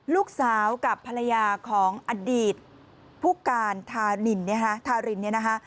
ลูกสาวกับภรรยาของอดีตผู้การธานินทารินเนี่ยนะคะ